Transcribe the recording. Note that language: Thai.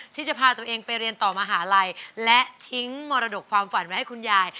ที่จะพาตัวเองไปเรียนต่อมหาลัยและทิ้งมรดกความฝันไว้ให้คุณยาย